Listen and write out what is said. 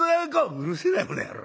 「うるせえなこの野郎。